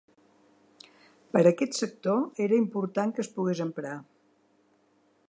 Per aquest sector era important que es pogués emprar.